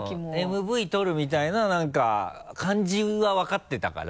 ＭＶ撮るみたいな何か感じは分かってたから。